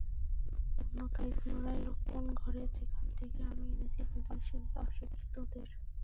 অন্যথায়, পুনরায় লক্ষ্মণঘরে, যেখান থেকে আমি এনেছি তোদের অশিক্ষিতদের!